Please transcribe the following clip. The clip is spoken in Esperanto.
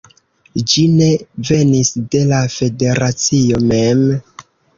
Ĝi ne venis de la federacio mem